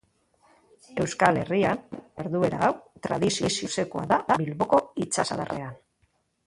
Euskal Herrian, jarduera hau tradizio luzekoa da Bilboko itsasadarrean.